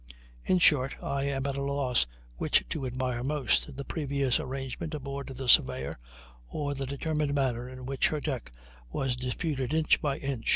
In short, I am at a loss which to admire most, the previous arrangement aboard the Surveyor, or the determined manner in which her deck was disputed inch by inch.